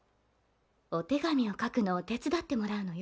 お手紙を書くのを手伝ってもらうのよ。